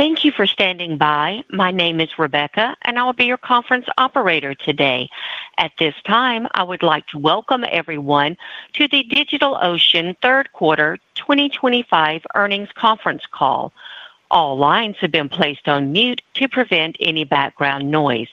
Thank you for standing by. My name is Rebecca, and I'll be your conference operator today. At this time, I would like to welcome everyone to the DigitalOcean third quarter 2025 earnings conference call. All lines have been placed on mute to prevent any background noise.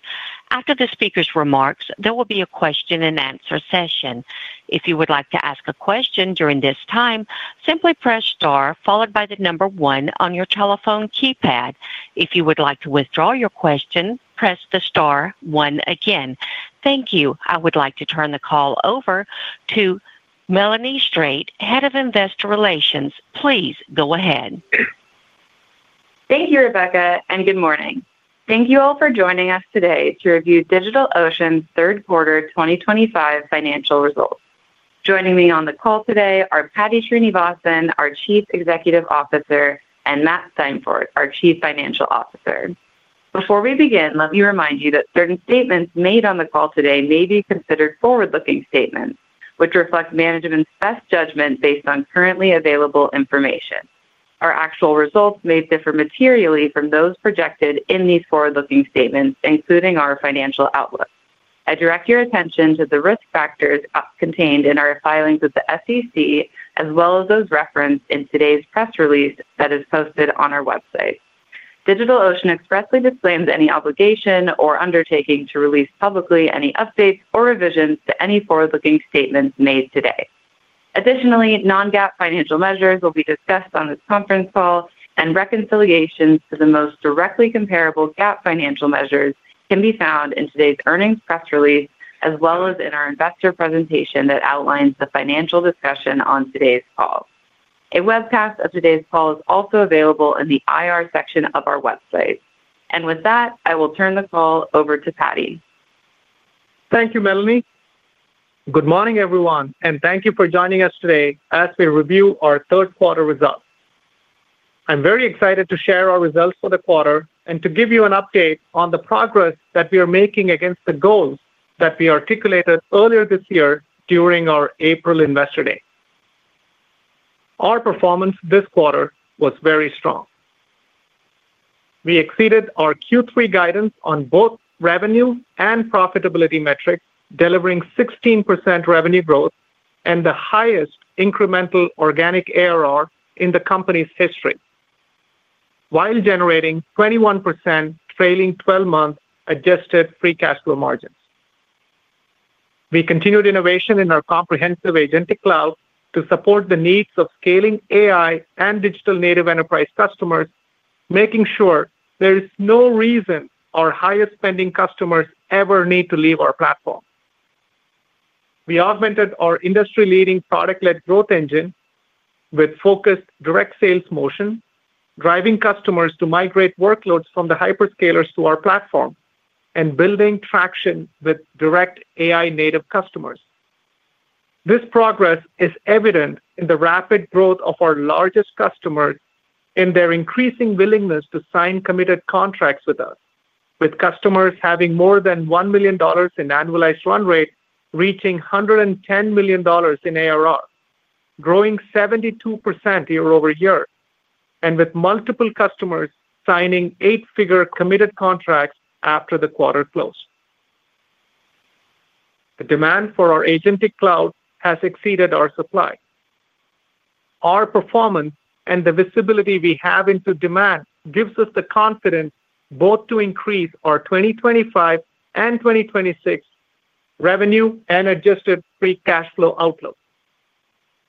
After the speaker's remarks, there will be a question-and-answer session. If you would like to ask a question during this time, simply press star followed by the number one on your telephone keypad. If you would like to withdraw your question, press the star one again. Thank you. I would like to turn the call over to Melanie Strate, Head of Investor Relations. Please go ahead. Thank you, Rebecca, and good morning. Thank you all for joining us today to review DigitalOcean's third quarter 2025 financial results. Joining me on the call today are Paddy Srinivasan, our Chief Executive Officer, and Matt Steinfort, our Chief Financial Officer. Before we begin, let me remind you that certain statements made on the call today may be considered forward-looking statements, which reflect management's best judgment based on currently available information. Our actual results may differ materially from those projected in these forward-looking statements, including our financial outlook. I direct your attention to the Risk Factors contained in our filings with the SEC, as well as those referenced in today's press release that is posted on our website. DigitalOcean expressly disclaims any obligation or undertaking to release publicly any updates or revisions to any forward-looking statements made today. Additionally, non-GAAP financial measures will be discussed on this conference call, and reconciliations to the most directly comparable GAAP financial measures can be found in today's earnings press release, as well as in our investor presentation that outlines the financial discussion on today's call. A webcast of today's call is also available in the IR section of our website. With that, I will turn the call over to Paddy. Thank you, Melanie. Good morning, everyone, and thank you for joining us today as we review our third quarter results. I'm very excited to share our results for the quarter and to give you an update on the progress that we are making against the goals that we articulated earlier this year during our April Investor Day. Our performance this quarter was very strong. We exceeded our Q3 guidance on both revenue and profitability metrics, delivering 16% revenue growth and the highest incremental organic ARR in the company's history, while generating 21% trailing 12-month adjusted free cash flow margins. We continued innovation in our comprehensive Agentic Cloud to support the needs of scaling AI and digital native enterprise customers, making sure there is no reason our highest spending customers ever need to leave our platform. We augmented our industry-leading product-led growth engine with focused direct sales motion, driving customers to migrate workloads from the hyperscalers to our platform and building traction with direct AI native customers. This progress is evident in the rapid growth of our largest customers and their increasing willingness to sign committed contracts with us, with customers having more than $1 million in annualized run rate, reaching $110 million in ARR, growing 72% year-over-year, and with multiple customers signing eight-figure committed contracts after the quarter close. The demand for our Agentic Cloud has exceeded our supply. Our performance and the visibility we have into demand gives us the confidence both to increase our 2025 and 2026 revenue and adjusted free cash flow outlook.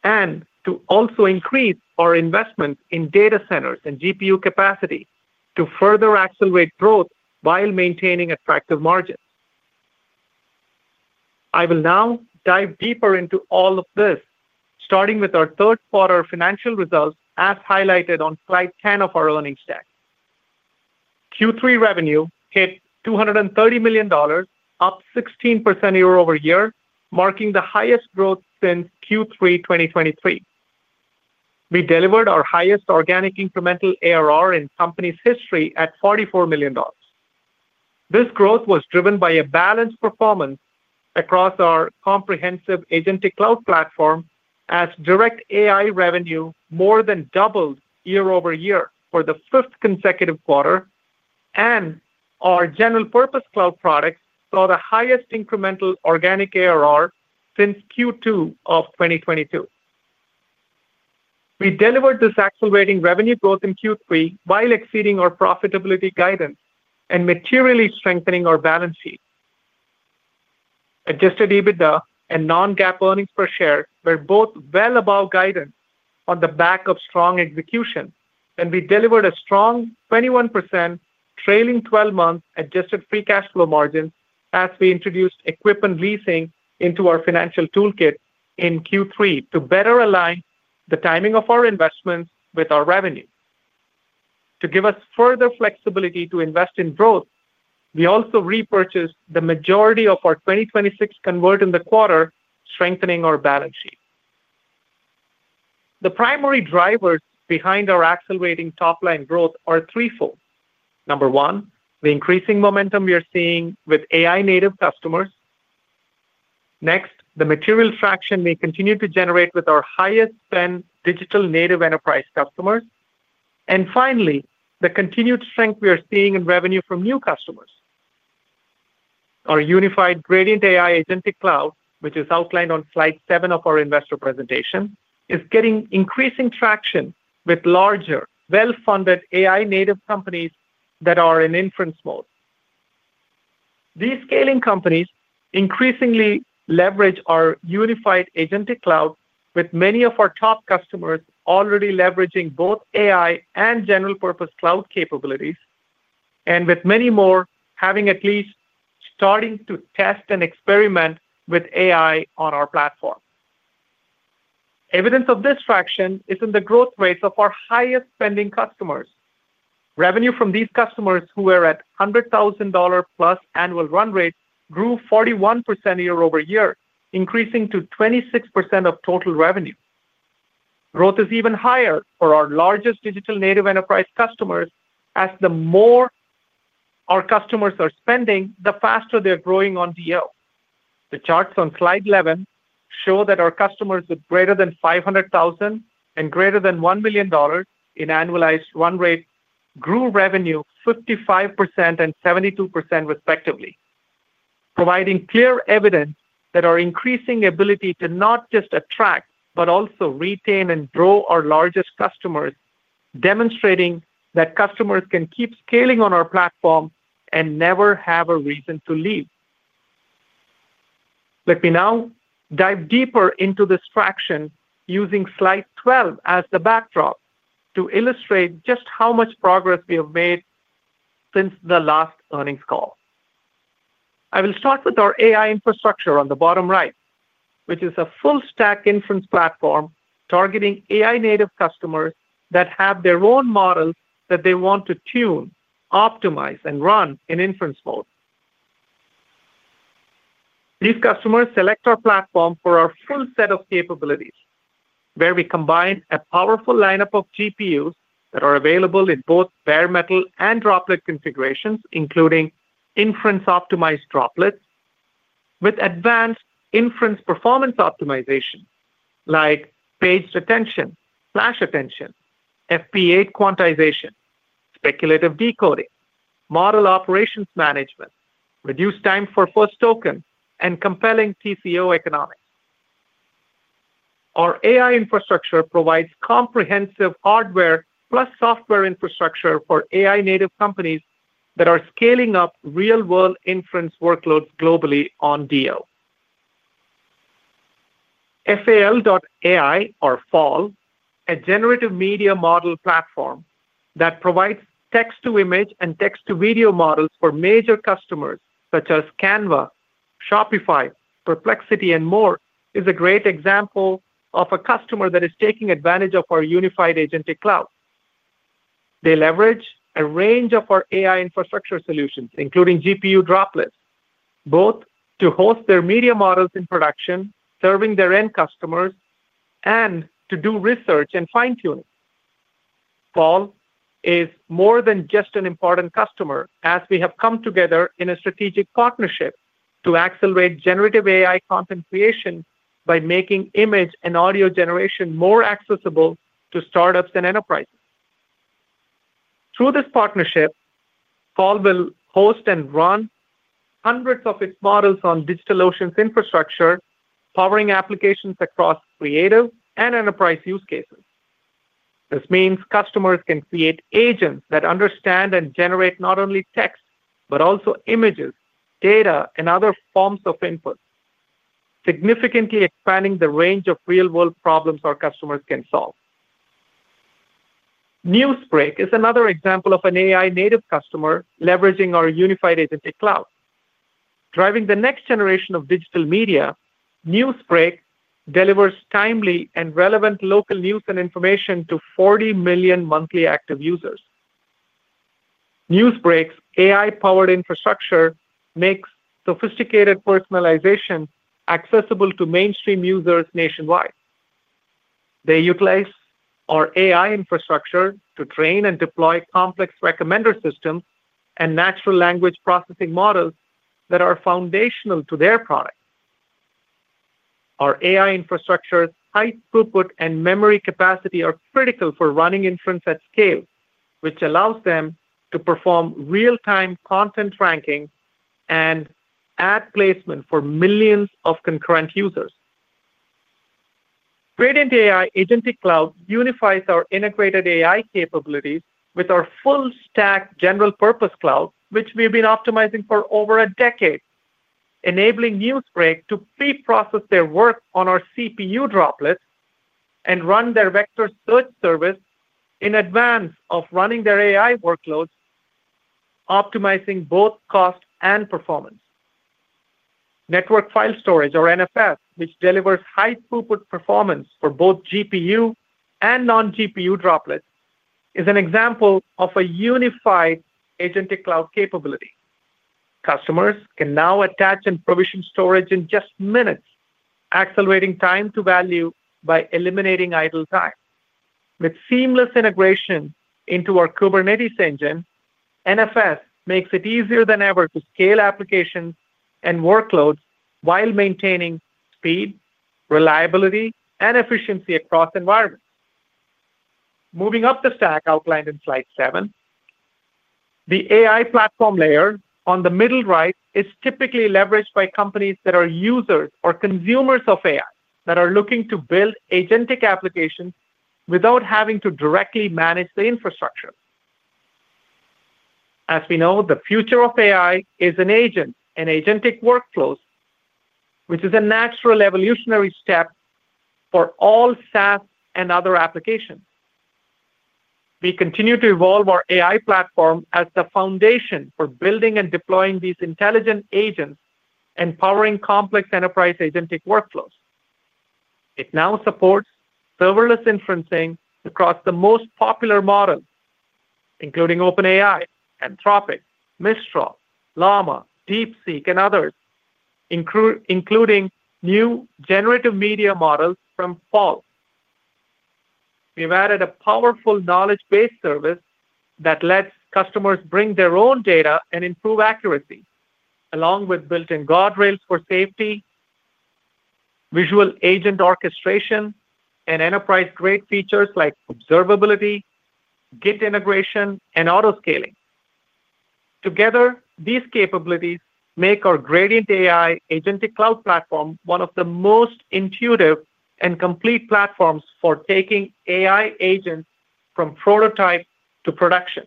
We will also increase our investments in data centers and GPU capacity to further accelerate growth while maintaining attractive margins. I will now dive deeper into all of this, starting with our third quarter financial results, as highlighted on slide 10 of our earnings deck. Q3 revenue hit $230 million, up 16% year-over-year, marking the highest growth since Q3 2023. We delivered our highest organic incremental ARR in the company's history at $44 million. This growth was driven by a balanced performance across our comprehensive Agentic Cloud platform, as direct AI revenue more than doubled year-over-year for the fifth consecutive quarter, and our general-purpose cloud products saw the highest incremental organic ARR since Q2 of 2022. We delivered this accelerating revenue growth in Q3 while exceeding our profitability guidance and materially strengthening our balance sheet. Adjusted EBITDA and non-GAAP earnings per share were both well above guidance on the back of strong execution, and we delivered a strong 21% trailing 12-month adjusted free cash flow margin as we introduced equipment leasing into our financial toolkit in Q3 to better align the timing of our investments with our revenue. To give us further flexibility to invest in growth, we also repurchased the majority of our 2026 convert in the quarter, strengthening our balance sheet. The primary drivers behind our accelerating top-line growth are threefold. Number one, the increasing momentum we are seeing with AI native customers. Next, the material traction we continue to generate with our highest spend digital native enterprise customers. Finally, the continued strength we are seeing in revenue from new customers. Our unified Gradient AI Agentic Cloud, which is outlined on slide seven of our investor presentation, is getting increasing traction with larger, well-funded AI native companies that are in inference mode. These scaling companies increasingly leverage our unified Agentic Cloud, with many of our top customers already leveraging both AI and general-purpose cloud capabilities, and with many more having at least started to test and experiment with AI on our platform. Evidence of this traction is in the growth rates of our highest spending customers. Revenue from these customers, who were at $100,000+ annual run rate, grew 41% year-over-year, increasing to 26% of total revenue. Growth is even higher for our largest digital native enterprise customers, as the more our customers are spending, the faster they're growing on DigitalOcean. The charts on slide 11 show that our customers with greater than $500,000 and greater than $1 million in annualized run rate grew revenue 55% and 72% respectively. Providing clear evidence that our increasing ability to not just attract but also retain and grow our largest customers demonstrates that customers can keep scaling on our platform and never have a reason to leave. Let me now dive deeper into this traction using slide 12 as the backdrop to illustrate just how much progress we have made since the last earnings call. I will start with our AI infrastructure on the bottom right, which is a full-stack inference platform targeting AI native customers that have their own models that they want to tune, optimize, and run in inference mode. These customers select our platform for our full set of capabilities, where we combine a powerful lineup of GPUs that are available in both bare metal and Droplet configurations, including inference-optimized Droplets, with advanced inference performance optimization like page attention, flash attention, FP8 quantization, speculative decoding, model operations management, reduced time for first token, and compelling TCO economics. Our AI infrastructure provides comprehensive hardware plus software infrastructure for AI native companies that are scaling up real-world inference workloads globally on DigitalOcean. FAL.ai, or FAL, a generative media model platform that provides text-to-image and text-to-video models for major customers such as Canva, Shopify, Perplexity, and more, is a great example of a customer that is taking advantage of our unified Agentic Cloud. They leverage a range of our AI infrastructure solutions, including GPU Droplets, both to host their media models in production, serving their end customers, and to do research and fine-tuning. FAL.ai is more than just an important customer, as we have come together in a strategic partnership to accelerate generative AI content creation by making image and audio generation more accessible to startups and enterprises. Through this partnership, FAL.ai will host and run hundreds of its models on DigitalOcean's infrastructure, powering applications across creative and enterprise use cases. This means customers can create agents that understand and generate not only text but also images, data, and other forms of input, significantly expanding the range of real-world problems our customers can solve. NewsBreak is another example of an AI native customer leveraging our unified Agentic Cloud. Driving the next generation of digital media, NewsBreak delivers timely and relevant local news and information to 40 million monthly active users. NewsBreak's AI-powered infrastructure makes sophisticated personalization accessible to mainstream users nationwide. They utilize our AI infrastructure to train and deploy complex recommender systems and natural language processing models that are foundational to their products. Our AI infrastructure's high throughput and memory capacity are critical for running inference at scale, which allows them to perform real-time content ranking and ad placement for millions of concurrent users. Gradient AI Agentic Cloud unifies our integrated AI capabilities with our full-stack general-purpose cloud, which we have been optimizing for over a decade, enabling NewsBreak to preprocess their work on our CPU Droplets and run their vector search service in advance of running their AI workloads, optimizing both cost and performance. Network File Storage, or NFS, which delivers high throughput performance for both GPU and non-GPU Droplets, is an example of a unified Agentic Cloud capability. Customers can now attach and provision storage in just minutes, accelerating time to value by eliminating idle time. With seamless integration into our Kubernetes Engine, NFS makes it easier than ever to scale applications and workloads while maintaining speed, reliability, and efficiency across environments. Moving up the stack outlined in slide seven. The AI platform layer on the middle right is typically leveraged by companies that are users or consumers of AI that are looking to build agentic applications without having to directly manage the infrastructure. As we know, the future of AI is an agent and agentic workflows, which is a natural evolutionary step for all SaaS and other applications. We continue to evolve our AI platform as the foundation for building and deploying these intelligent agents, empowering complex enterprise agentic workflows. It now supports serverless inferencing across the most popular models, including OpenAI, Anthropic, Mistral, Llama, DeepSeek, and others, including new generative media models from FAL. We have added a powerful knowledge-based service that lets customers bring their own data and improve accuracy, along with built-in guardrails for safety, visual agent orchestration, and enterprise-grade features like observability, Git integration, and autoscaling. Together, these capabilities make our Gradient AI Agentic Cloud platform one of the most intuitive and complete platforms for taking AI agents from prototype to production.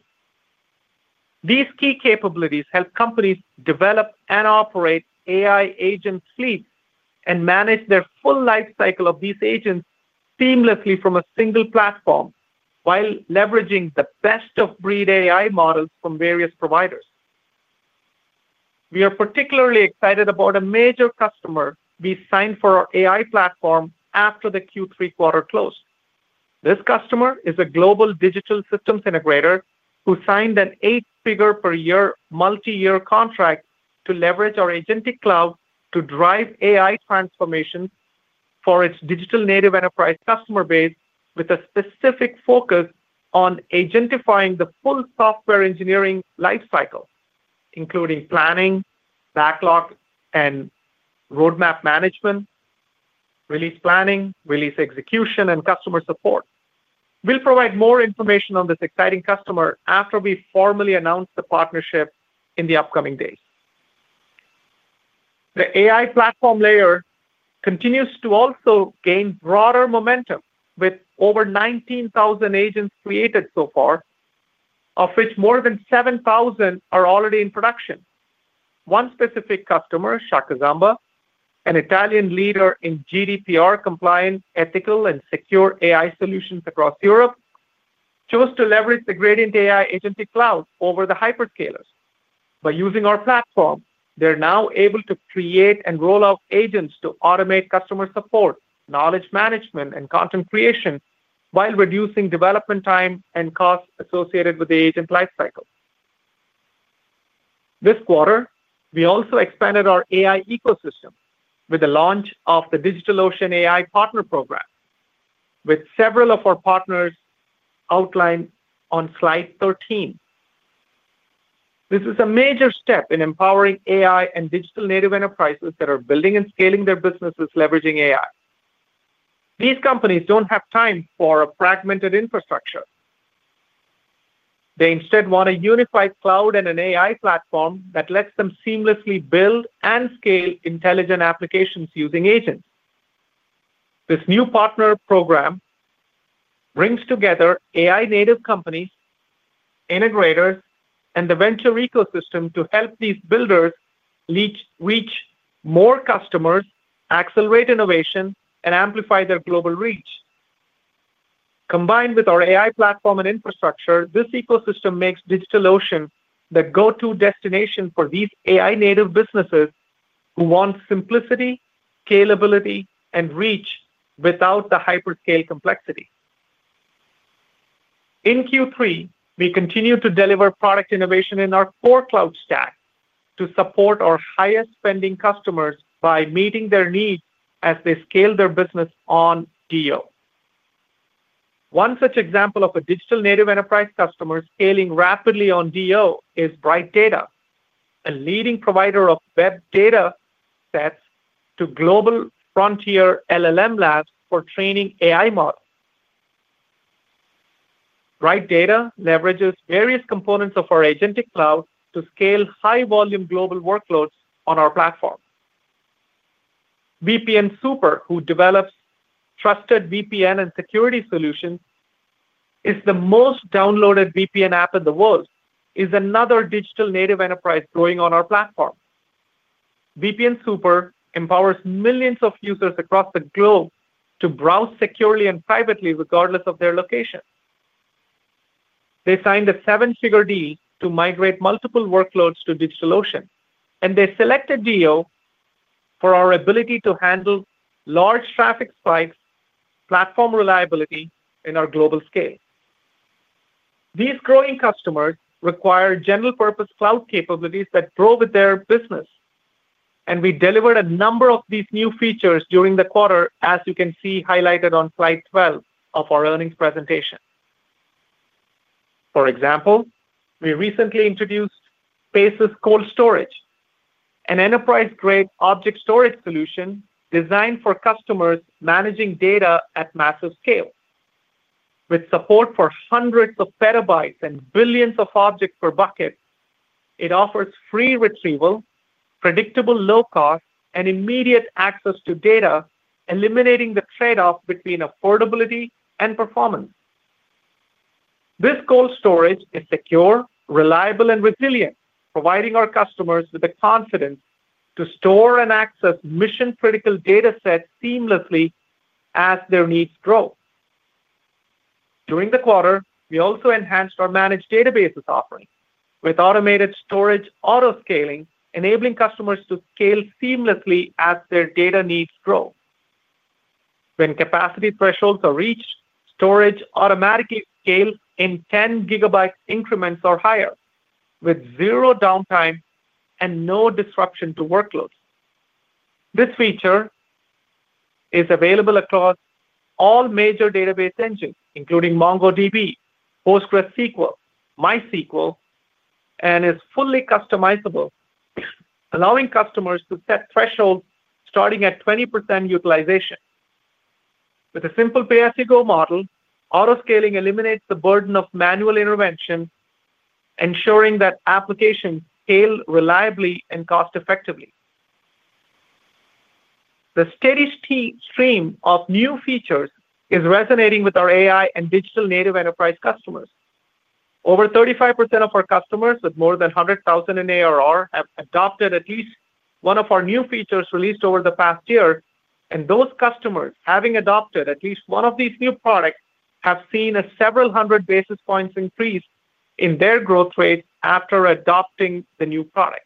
These key capabilities help companies develop and operate AI agent fleets and manage their full lifecycle of these agents seamlessly from a single platform while leveraging the best-of-breed AI models from various providers. We are particularly excited about a major customer we signed for our AI platform after the Q3 quarter close. This customer is a global digital systems integrator who signed an eight-figure per year multi-year contract to leverage our Agentic Cloud to drive AI transformations for its digital native enterprise customer base, with a specific focus on identifying the full software engineering lifecycle, including planning, backlog, and roadmap management, release planning, release execution, and customer support. We'll provide more information on this exciting customer after we formally announce the partnership in the upcoming days. The AI platform layer continues to also gain broader momentum, with over 19,000 agents created so far, of which more than 7,000 are already in production. One specific customer, Shakuzamba, an Italian leader in GDPR-compliant, ethical, and secure AI solutions across Europe, chose to leverage the Gradient AI Agentic Cloud over the hyperscalers. By using our platform, they're now able to create and roll out agents to automate customer support, knowledge management, and content creation while reducing development time and costs associated with the agent lifecycle. This quarter, we also expanded our AI ecosystem with the launch of the DigitalOcean AI Partner Program, with several of our partners outlined on slide 13. This is a major step in empowering AI and digital native enterprises that are building and scaling their businesses leveraging AI. These companies do not have time for a fragmented infrastructure. They instead want a unified cloud and an AI platform that lets them seamlessly build and scale intelligent applications using agents. This new partner program brings together AI native companies, integrators, and the venture ecosystem to help these builders reach more customers, accelerate innovation, and amplify their global reach. Combined with our AI platform and infrastructure, this ecosystem makes DigitalOcean the go-to destination for these AI native businesses who want simplicity, scalability, and reach without the hyperscale complexity. In Q3, we continue to deliver product innovation in our core cloud stack to support our highest spending customers by meeting their needs as they scale their business on DO. One such example of a digital native enterprise customer scaling rapidly on DO is Bright Data, a leading provider of web datasets to global frontier LLM labs for training AI models. Bright Data leverages various components of our Agentic Cloud to scale high-volume global workloads on our platform. VPN Super, who develops trusted VPN and security solutions, is the most downloaded VPN app in the world, is another digital native enterprise growing on our platform. VPN Super empowers millions of users across the globe to browse securely and privately, regardless of their location. They signed a seven-figure deal to migrate multiple workloads to DigitalOcean, and they selected DO for our ability to handle large traffic spikes, platform reliability, and our global scale. These growing customers require general-purpose cloud capabilities that grow with their business. We delivered a number of these new features during the quarter, as you can see highlighted on slide 12 of our earnings presentation. For example, we recently introduced Spaces Cold Storage, an enterprise-grade object storage solution designed for customers managing data at massive scale. With support for hundreds of petabytes and billions of objects per bucket, it offers free retrieval, predictable low cost, and immediate access to data, eliminating the trade-off between affordability and performance. This cold storage is secure, reliable, and resilient, providing our customers with the confidence to store and access mission-critical datasets seamlessly as their needs grow. During the quarter, we also enhanced our managed databases offering, with automated storage autoscaling, enabling customers to scale seamlessly as their data needs grow. When capacity thresholds are reached, storage automatically scales in 10 GB increments or higher, with zero downtime and no disruption to workloads. This feature is available across all major database engines, including MongoDB, PostgreSQL, MySQL, and is fully customizable, allowing customers to set thresholds starting at 20% utilization. With a simple pay-as-you-go model, autoscaling eliminates the burden of manual intervention, ensuring that applications scale reliably and cost-effectively. The steady stream of new features is resonating with our AI and digital native enterprise customers. Over 35% of our customers, with more than $100,000 in ARR, have adopted at least one of our new features released over the past year. Those customers, having adopted at least one of these new products, have seen a several hundred basis points increase in their growth rate after adopting the new product.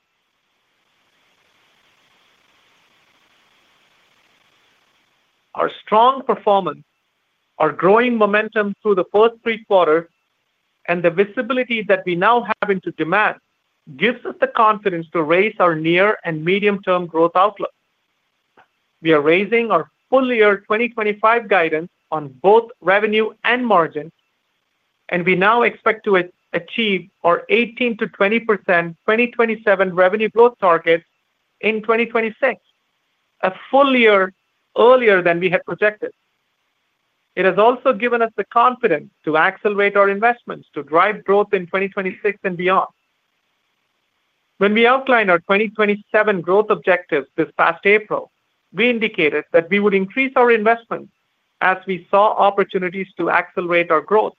Our strong performance, our growing momentum through the first three quarters, and the visibility that we now have into demand gives us the confidence to raise our near and medium-term growth outlook. We are raising our full-year 2025 guidance on both revenue and margin, and we now expect to achieve our 18%-20% 2027 revenue growth targets in 2026, a full year earlier than we had projected. It has also given us the confidence to accelerate our investments to drive growth in 2026 and beyond. When we outlined our 2027 growth objectives this past April, we indicated that we would increase our investments as we saw opportunities to accelerate our growth.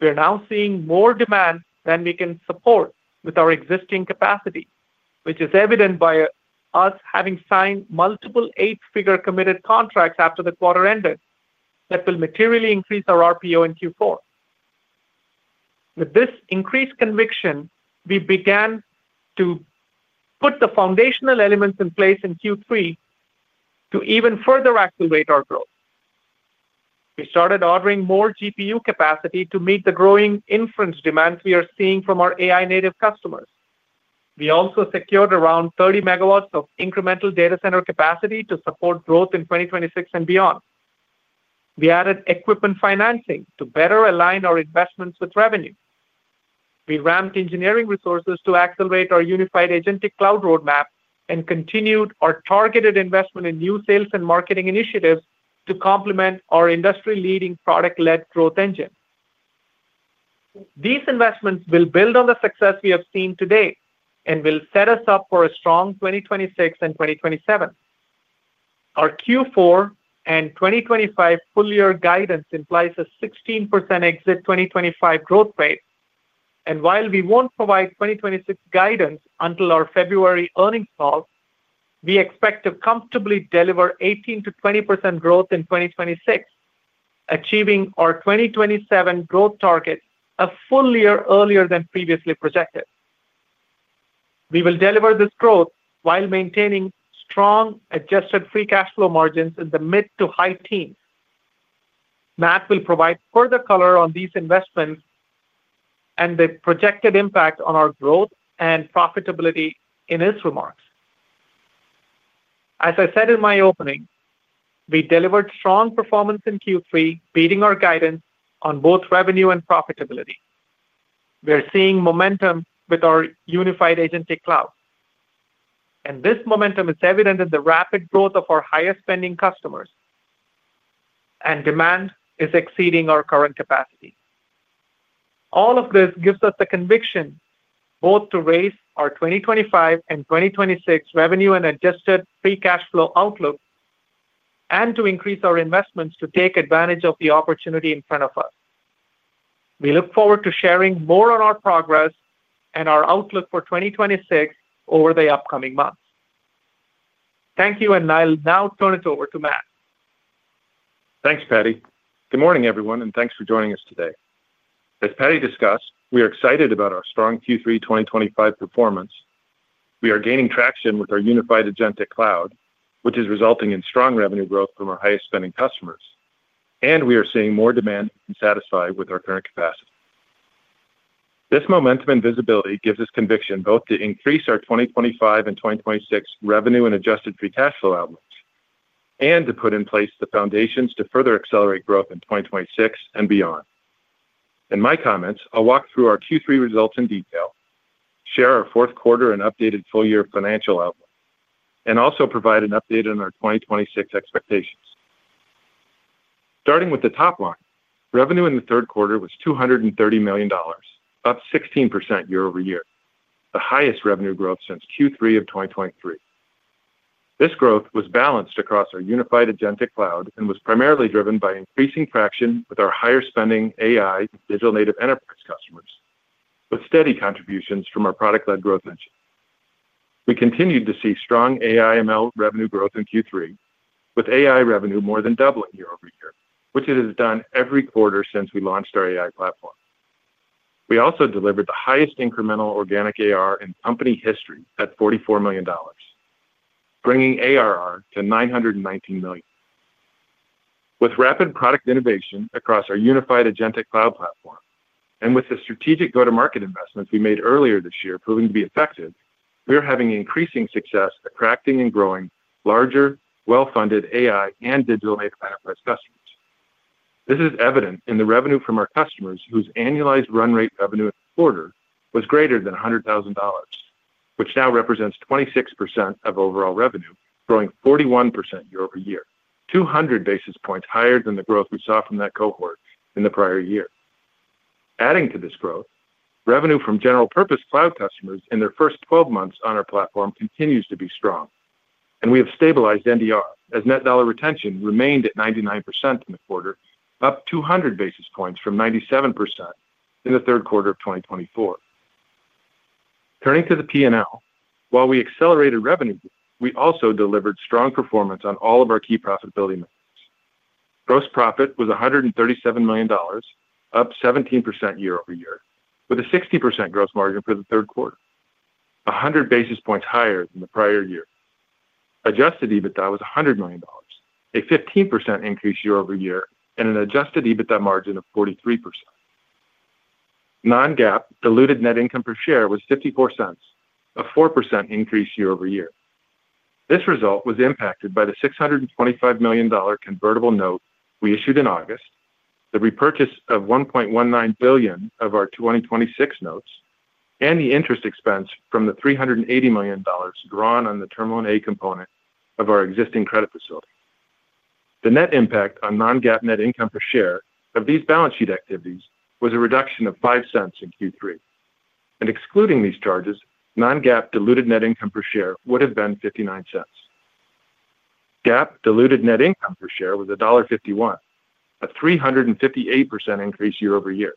We are now seeing more demand than we can support with our existing capacity, which is evident by us having signed multiple eight-figure committed contracts after the quarter ended that will materially increase our RPO in Q4. With this increased conviction, we began to put the foundational elements in place in Q3 to even further accelerate our growth. We started ordering more GPU capacity to meet the growing inference demand we are seeing from our AI native customers. We also secured around 30 MW of incremental data center capacity to support growth in 2026 and beyond. We added equipment financing to better align our investments with revenue. We ramped engineering resources to accelerate our unified Agentic Cloud roadmap and continued our targeted investment in new sales and marketing initiatives to complement our industry-leading product-led growth engine. These investments will build on the success we have seen today and will set us up for a strong 2026 and 2027. Our Q4 and 2025 full-year guidance implies a 16% exit 2025 growth rate. While we won't provide 2026 guidance until our February earnings call, we expect to comfortably deliver 18%-20% growth in 2026. Achieving our 2027 growth target a full year earlier than previously projected. We will deliver this growth while maintaining strong adjusted free cash flow margins in the mid to high teens. Matt will provide further color on these investments and the projected impact on our growth and profitability in his remarks. As I said in my opening, we delivered strong performance in Q3, beating our guidance on both revenue and profitability. We are seeing momentum with our unified Agentic Cloud. This momentum is evident in the rapid growth of our highest spending customers. Demand is exceeding our current capacity. All of this gives us the conviction both to raise our 2025 and 2026 revenue and adjusted free cash flow outlook, and to increase our investments to take advantage of the opportunity in front of us. We look forward to sharing more on our progress and our outlook for 2026 over the upcoming months. Thank you, and I'll now turn it over to Matt. Thanks, Paddy. Good morning, everyone, and thanks for joining us today. As Paddy discussed, we are excited about our strong Q3 2025 performance. We are gaining traction with our unified Agentic Cloud, which is resulting in strong revenue growth from our highest spending customers. We are seeing more demand to satisfy with our current capacity. This momentum and visibility gives us conviction both to increase our 2025 and 2026 revenue and adjusted free cash flow outlooks and to put in place the foundations to further accelerate growth in 2026 and beyond. In my comments, I'll walk through our Q3 results in detail, share our fourth quarter and updated full-year financial outlook, and also provide an update on our 2026 expectations. Starting with the top line, revenue in the third quarter was $230 million, up 16% year-over-year, the highest revenue growth since Q3 of 2023. This growth was balanced across our unified Agentic Cloud and was primarily driven by increasing traction with our higher spending AI and digital native enterprise customers, with steady contributions from our product-led growth engine. We continued to see strong AI/ML revenue growth in Q3, with AI revenue more than doubling year-over-year, which it has done every quarter since we launched our AI platform. We also delivered the highest incremental organic ARR in company history at $44 million, bringing ARR to $919 million. With rapid product innovation across our unified Agentic Cloud platform and with the strategic go-to-market investments we made earlier this year proving to be effective, we are having increasing success attracting and growing larger, well-funded AI and digital native enterprise customers. This is evident in the revenue from our customers whose annualized run rate revenue in the quarter was greater than $100,000, which now represents 26% of overall revenue, growing 41% year-over-year, 200 basis points higher than the growth we saw from that cohort in the prior year. Adding to this growth, revenue from general-purpose cloud customers in their first 12 months on our platform continues to be strong. We have stabilized NDR, as net dollar retention remained at 99% in the quarter, up 200 basis points from 97% in the third quarter of 2024. Turning to the P&L, while we accelerated revenue, we also delivered strong performance on all of our key profitability metrics. Gross profit was $137 million, up 17% year-over-year, with a 60% gross margin for the third quarter, 100 basis points higher than the prior year. Adjusted EBITDA was $100 million, a 15% increase year-over-year, and an adjusted EBITDA margin of 43%. Non-GAAP diluted net income per share was $0.54, a 4% increase year-over-year. This result was impacted by the $625 million convertible note we issued in August, the repurchase of $1.19 billion of our 2026 notes, and the interest expense from the $380 million drawn on the Terminal A component of our existing credit facility. The net impact on non-GAAP net income per share of these balance sheet activities was a reduction of $0.05 in Q3. Excluding these charges, non-GAAP diluted net income per share would have been $0.59. GAAP diluted net income per share was $1.51, a 358% increase year-over-year.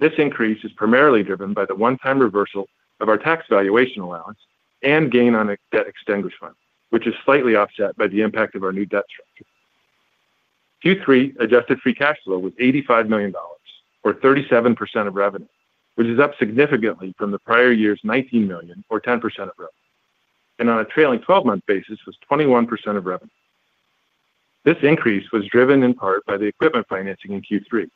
This increase is primarily driven by the one-time reversal of our tax valuation allowance and gain on a debt extinguishment, which is slightly offset by the impact of our new debt structure. Q3 adjusted free cash flow was $85 million, or 37% of revenue, which is up significantly from the prior year's $19 million, or 10% of revenue. On a trailing 12-month basis, it was 21% of revenue. This increase was driven in part by the equipment financing in Q3.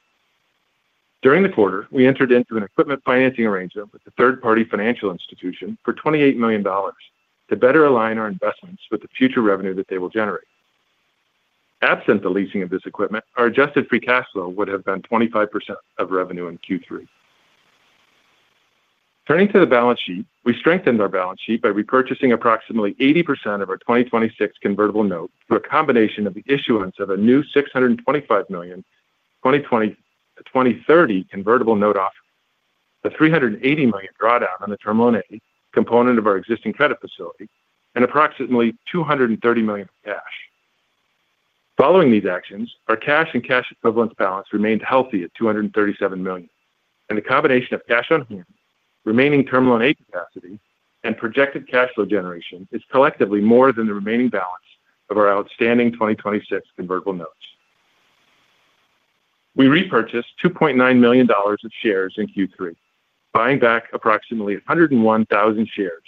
During the quarter, we entered into an equipment financing arrangement with a third-party financial institution for $28 million to better align our investments with the future revenue that they will generate. Absent the leasing of this equipment, our adjusted free cash flow would have been 25% of revenue in Q3. Turning to the balance sheet, we strengthened our balance sheet by repurchasing approximately 80% of our 2026 convertible note through a combination of the issuance of a new $625 million 2026-2030 convertible note offering, a $380 million drawdown on the Terminal A component of our existing credit facility, and approximately $230 million cash. Following these actions, our cash and cash equivalents balance remained healthy at $237 million. The combination of cash on hand, remaining Terminal A capacity, and projected cash flow generation is collectively more than the remaining balance of our outstanding 2026 convertible notes. We repurchased $2.9 million of shares in Q3, buying back approximately 101,000 shares,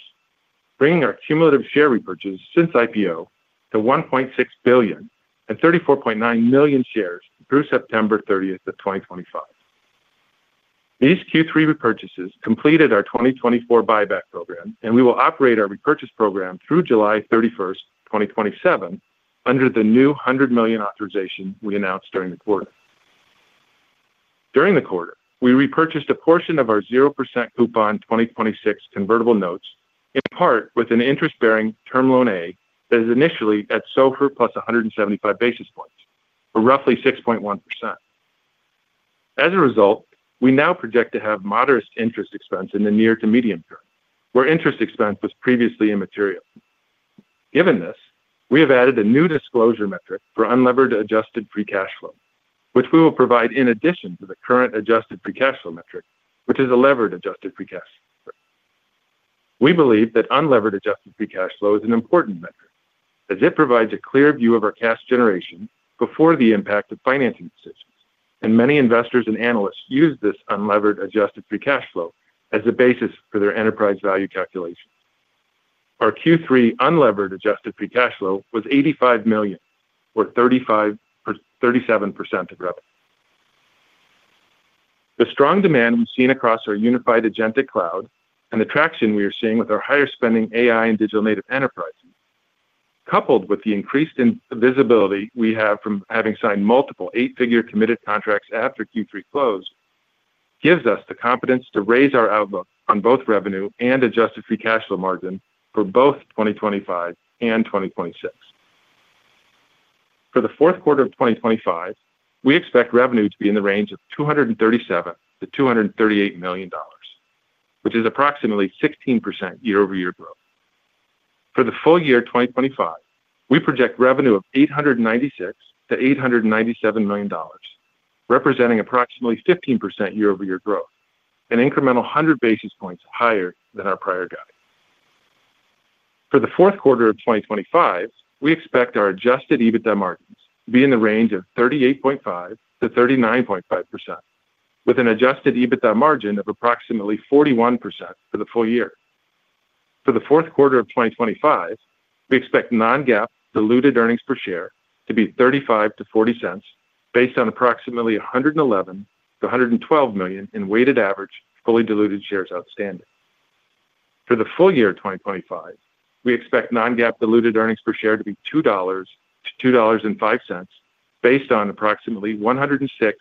bringing our cumulative share repurchases since IPO to $1.6 billion and 34.9 million shares through September 30th of 2025. These Q3 repurchases completed our 2024 buyback program, and we will operate our repurchase program through July 31st, 2027, under the new $100 million authorization we announced during the quarter. During the quarter, we repurchased a portion of our 0% coupon 2026 convertible notes, in part with an interest-bearing Terminal A that is initially at SOFR plus 175 basis points, or roughly 6.1%. As a result, we now project to have modest interest expense in the near to medium term, where interest expense was previously immaterial. Given this, we have added a new disclosure metric for unlevered adjusted free cash flow, which we will provide in addition to the current adjusted free cash flow metric, which is a levered adjusted free cash flow. We believe that unlevered adjusted free cash flow is an important metric, as it provides a clear view of our cash generation before the impact of financing decisions. Many investors and analysts use this unlevered adjusted free cash flow as a basis for their enterprise value calculation. Our Q3 unlevered adjusted free cash flow was $85 million, or 37% of revenue. The strong demand we've seen across our unified Agentic Cloud and the traction we are seeing with our higher spending AI and digital native enterprises, coupled with the increased visibility we have from having signed multiple eight-figure committed contracts after Q3 closed, gives us the confidence to raise our outlook on both revenue and adjusted free cash flow margin for both 2025 and 2026. For the fourth quarter of 2025, we expect revenue to be in the range of $237million-$238 million, which is approximately 16% year-over-year growth. For the full year 2025, we project revenue of $896 million-$897 million, representing approximately 15% year-over-year growth, an incremental 100 basis points higher than our prior guidance. For the fourth quarter of 2025, we expect our adjusted EBITDA margins to be in the range of 38.5%-39.5%, with an adjusted EBITDA margin of approximately 41% for the full year. For the fourth quarter of 2025, we expect non-GAAP diluted earnings per share to be $0.35-$0.40, based on approximately 111 million-112 million in weighted average fully diluted shares outstanding. For the full year of 2025, we expect non-GAAP diluted earnings per share to be $2-$2.05, based on approximately 106m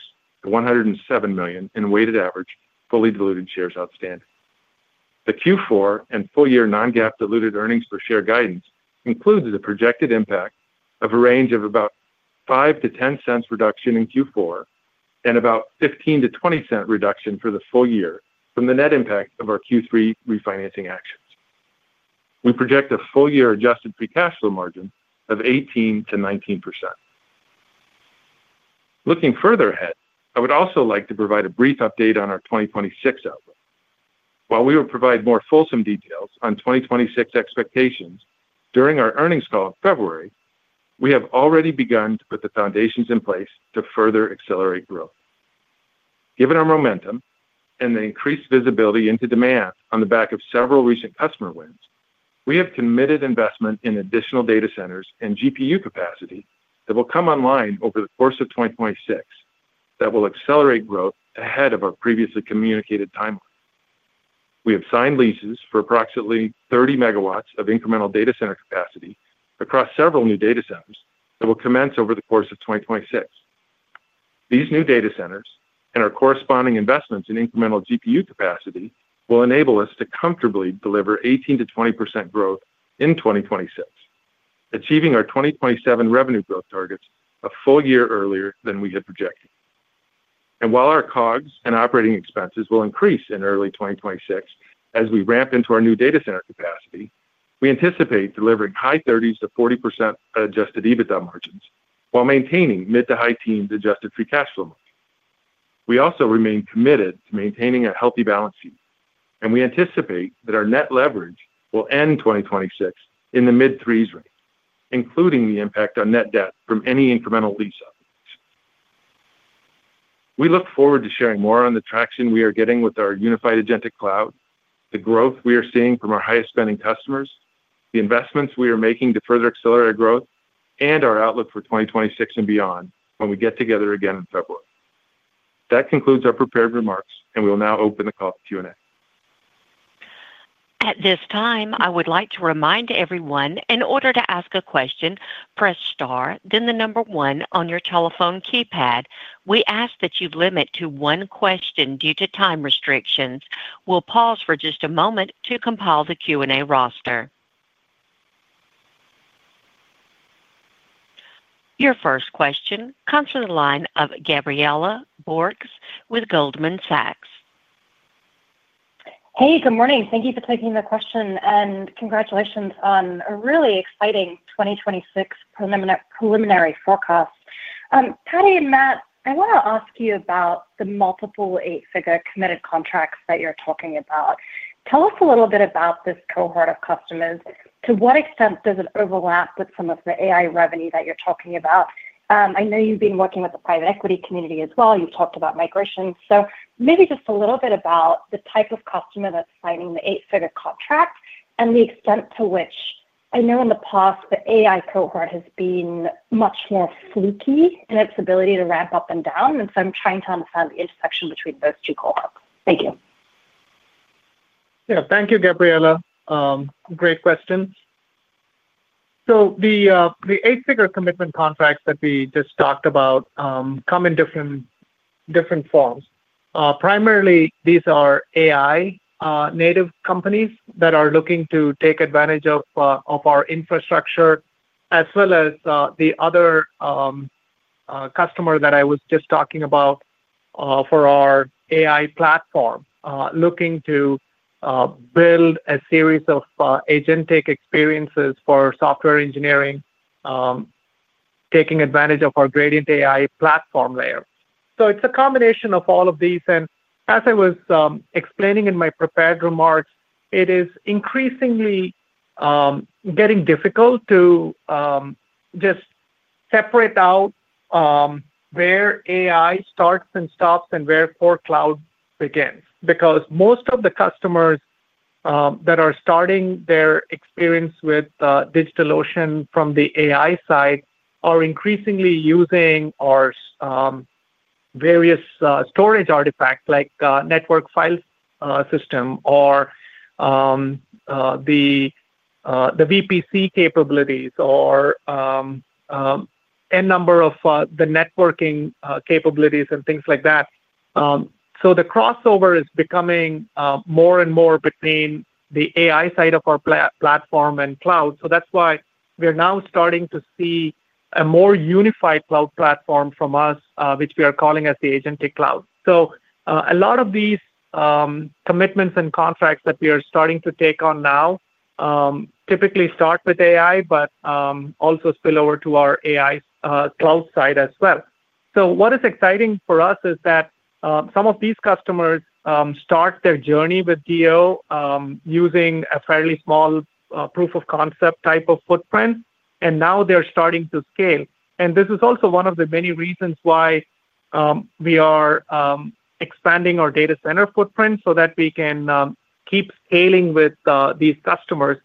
million-107 million in weighted average fully diluted shares outstanding. The Q4 and full year non-GAAP diluted earnings per share guidance includes the projected impact of a range of about $0.05-$0.10 reduction in Q4 and about $0.15-$0.20 reduction for the full year from the net impact of our Q3 refinancing actions. We project a full year adjusted free cash flow margin of 18%-19%. Looking further ahead, I would also like to provide a brief update on our 2026 outlook. While we will provide more fulsome details on 2026 expectations during our earnings call in February, we have already begun to put the foundations in place to further accelerate growth. Given our momentum and the increased visibility into demand on the back of several recent customer wins, we have committed investment in additional data centers and GPU capacity that will come online over the course of 2026 that will accelerate growth ahead of our previously communicated timeline. We have signed leases for approximately 30 MW of incremental data center capacity across several new data centers that will commence over the course of 2026. These new data centers and our corresponding investments in incremental GPU capacity will enable us to comfortably deliver 18%-20% growth in 2026, achieving our 2027 revenue growth targets a full year earlier than we had projected. While our COGS and operating expenses will increase in early 2026 as we ramp into our new data center capacity, we anticipate delivering high 30%-40% adjusted EBITDA margins while maintaining mid to high teens adjusted free cash flow margins. We also remain committed to maintaining a healthy balance sheet, and we anticipate that our net leverage will end 2026 in the mid-threes range, including the impact on net debt from any incremental lease opportunities. We look forward to sharing more on the traction we are getting with our unified Agentic Cloud, the growth we are seeing from our highest spending customers, the investments we are making to further accelerate our growth, and our outlook for 2026 and beyond when we get together again in February. That concludes our prepared remarks, and we'll now open the call to Q&A. At this time, I would like to remind everyone, in order to ask a question, press star, then the number one on your telephone keypad. We ask that you limit to one question due to time restrictions. We'll pause for just a moment to compile the Q&A roster. Your first question comes from the line of Gabriela Bork with Goldman Sachs. Hey, good morning. Thank you for taking the question, and congratulations on a really exciting 2026 preliminary forecast. Paddy and Matt, I want to ask you about the multiple eight-figure committed contracts that you're talking about. Tell us a little bit about this cohort of customers. To what extent does it overlap with some of the AI revenue that you're talking about? I know you've been working with the private equity community as well. You've talked about migration. Maybe just a little bit about the type of customer that's signing the eight-figure contract and the extent to which I know in the past the AI cohort has been much more fluky in its ability to ramp up and down. I'm trying to understand the intersection between those two cohorts. Thank you. Yeah, thank you, Gabriela. Great question. The eight-figure commitment contracts that we just talked about come in different forms. Primarily, these are AI-native companies that are looking to take advantage of our infrastructure, as well as the other customer that I was just talking about. For our AI platform, looking to build a series of agentic experiences for software engineering, taking advantage of our Gradient AI platform layer. It is a combination of all of these. As I was explaining in my prepared remarks, it is increasingly getting difficult to just separate out where AI starts and stops and where core cloud begins, because most of the customers that are starting their experience with DigitalOcean from the AI side are increasingly using our various storage artifacts like Network File Storage or the VPC capabilities or any number of the networking capabilities and things like that. The crossover is becoming more and more between the AI side of our platform and cloud. That is why we are now starting to see a more unified cloud platform from us, which we are calling the Agentic Cloud. A lot of these commitments and contracts that we are starting to take on now typically start with AI, but also spill over to our AI cloud side as well. What is exciting for us is that some of these customers start their journey with DO using a fairly small proof of concept type of footprint, and now they are starting to scale. This is also one of the many reasons why we are expanding our data center footprint so that we can keep scaling with these customers.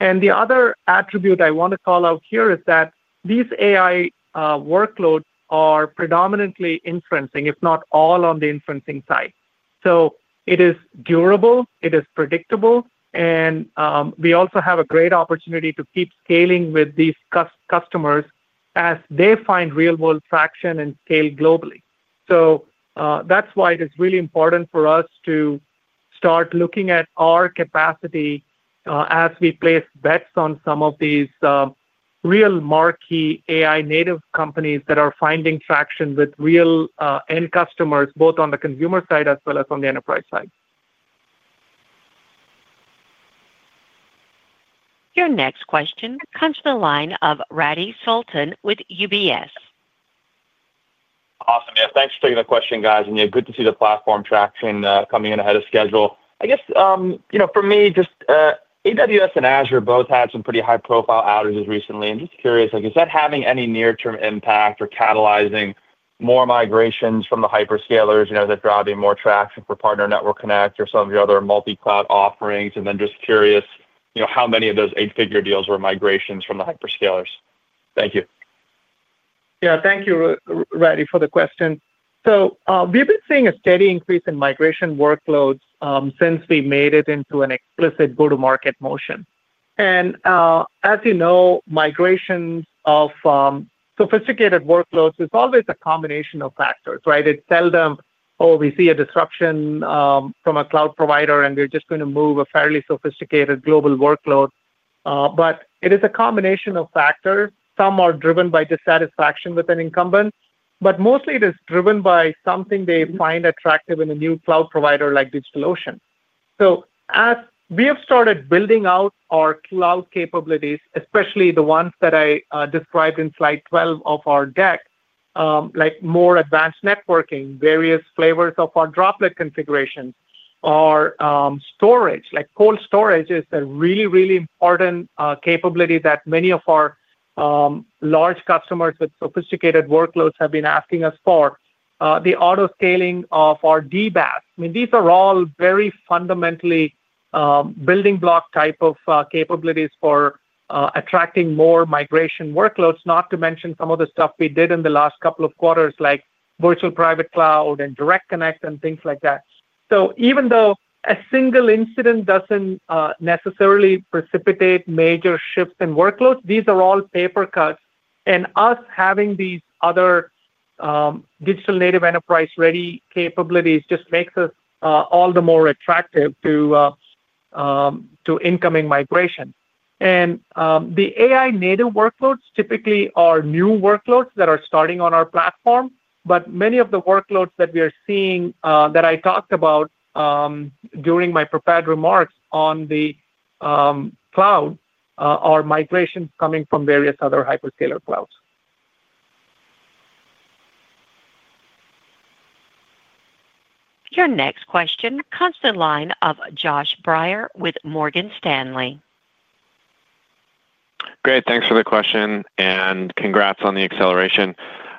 The other attribute I want to call out here is that these AI workloads are predominantly inferencing, if not all, on the inferencing side. It is durable, it is predictable, and we also have a great opportunity to keep scaling with these customers as they find real-world traction and scale globally. That is why it is really important for us to start looking at our capacity as we place bets on some of these real marquee AI-native companies that are finding traction with real end customers, both on the consumer side as well as on the enterprise side. Your next question comes from the line of Radi Sultan with UBS. Awesome. Yeah, thanks for taking the question, guys. Yeah, good to see the platform traction coming in ahead of schedule. I guess for me, just AWS and Azure both had some pretty high-profile outages recently. Just curious, is that having any near-term impact or catalyzing more migrations from the hyperscalers that are driving more traction for Partner Network Connect or some of your other multi-cloud offerings? Just curious how many of those eight-figure deals were migrations from the hyperscalers. Thank you. Yeah, thank you, Ratty, for the question. We have been seeing a steady increase in migration workloads since we made it into an explicit go-to-market motion. As you know, migrations of sophisticated workloads is always a combination of factors, right? It is seldom, oh, we see a disruption from a cloud provider, and we are just going to move a fairly sophisticated global workload. It is a combination of factors. Some are driven by dissatisfaction with an incumbent, but mostly it is driven by something they find attractive in a new cloud provider like DigitalOcean. As we have started building out our cloud capabilities, especially the ones that I described in slide 12 of our deck, like more advanced networking, various flavors of our Droplet configurations, or storage, like cold storage, is a really, really important capability that many of our. Large customers with sophisticated workloads have been asking us for the autoscaling of our DBaaS. I mean, these are all very fundamentally building block type of capabilities for attracting more migration workloads, not to mention some of the stuff we did in the last couple of quarters, like Virtual Private Cloud and Direct Connect and things like that. Even though a single incident does not necessarily precipitate major shifts in workloads, these are all paper cuts. Us having these other digital native enterprise-ready capabilities just makes us all the more attractive to incoming migration. The AI-native workloads typically are new workloads that are starting on our platform. Many of the workloads that we are seeing that I talked about during my prepared remarks on the cloud are migrations coming from various other hyperscaler clouds. Your next question comes from the line of Josh Myers with Morgan Stanley. Great. Thanks for the question, and congrats on the acceleration.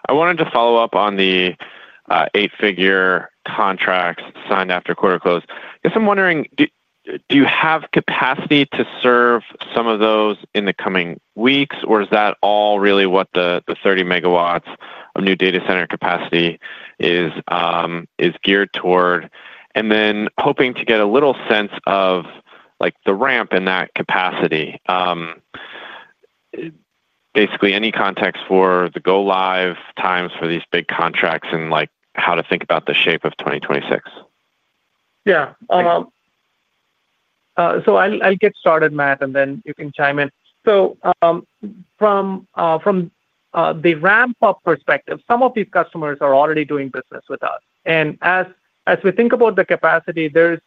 I wanted to follow up on the eight-figure contracts signed after quarter close. I guess I'm wondering, do you have capacity to serve some of those in the coming weeks, or is that all really what the 30 MW of new data center capacity is geared toward? I am hoping to get a little sense of the ramp in that capacity. Basically, any context for the go-live times for these big contracts and how to think about the shape of 2026? Yeah. I'll get started, Matt, and then you can chime in. From the ramp-up perspective, some of these customers are already doing business with us. As we think about the capacity, there's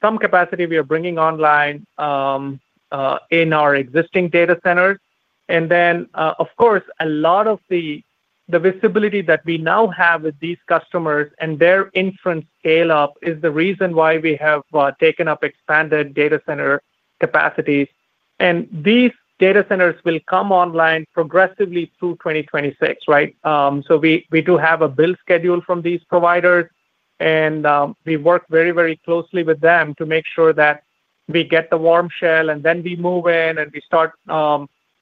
some capacity we are bringing online in our existing data centers. Of course, a lot of the visibility that we now have with these customers and their inference scale-up is the reason why we have taken up expanded data center capacities. These data centers will come online progressively through 2026, right? We do have a build schedule from these providers, and we work very, very closely with them to make sure that we get the warm shell, and then we move in and we start